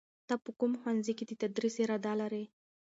ته په کوم ښوونځي کې د تدریس اراده لرې؟